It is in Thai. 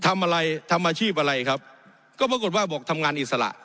ทำอะไรทำอาชีพอะไรครับก็ปรากฏว่าบอกทำงานอิสระ